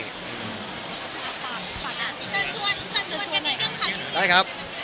เชิญชวนกันด้วยครับ